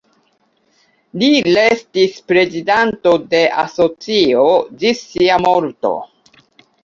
Li restis prezidanto de asocio ĝis sia morto.